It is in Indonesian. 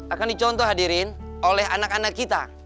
akan dicontoh hadirin oleh anak anak kita